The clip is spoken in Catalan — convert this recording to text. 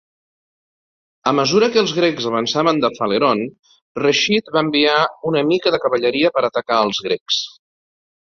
A mesura que els grecs avançaven de Phaleron, Reshid va enviar una mica de cavalleria per atacar els grecs.